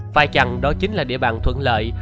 phải chẳng đó chính là địa bàn thuận lợi